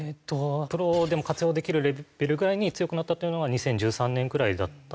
プロでも活用できるレベルぐらいに強くなったというのは２０１３年ぐらいだったので。